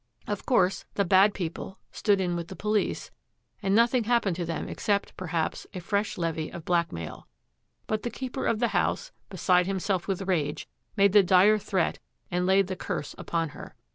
Of course, 'the bad people' 'stood in with the police,' and nothing happened to them except, perhaps, a fresh levy of blackmail; but the keeper of the house, beside himself with rage, made the dire threat and laid the curse upon her.